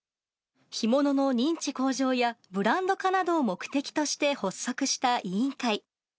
干物の認知向上や、ブランド化などを目的として発足した委員会。